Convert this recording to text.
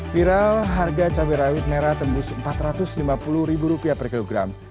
viral harga cabai rawit merah tembus empat ratus lima puluh ribu rupiah per kilogram